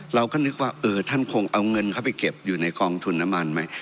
เราก็นึกว่าเออท่านคงเอาเงินเข้าไปเก็บอยู่ในกองทุนน้ำมันไหม